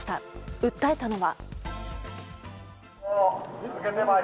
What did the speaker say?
訴えたのは。